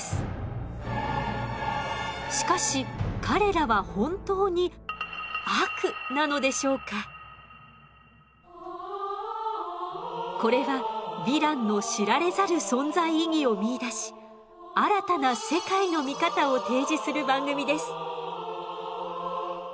しかし彼らはこれはヴィランの知られざる存在意義を見いだし新たな世界の見方を提示する番組です。